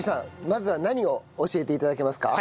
まずは何を教えて頂けますか？